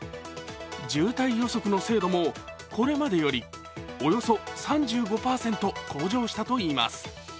渋滞予測の精度もこれまでよりおよそ３５％向上したといいます。